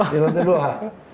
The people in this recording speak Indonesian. tidur di luar